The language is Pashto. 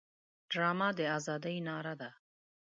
ډرامه د ازادۍ ناره ده